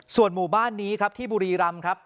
ส่วนหมู่บ้านนี้ครับที่บุรีรำครับ